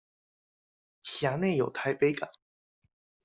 轄內有臺北港